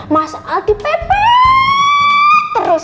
masal dipebek terus